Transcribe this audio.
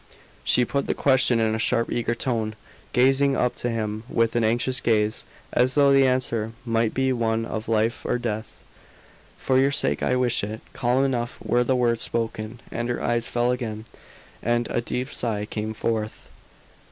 She put the question in a sharp, eager tone, gazing up to him with an anxious gaze, as though the answer must be one of life or death. "For your sake I wish it." Calm enough were the words spoken; and her eyes fell again, and a deep sigh came forth.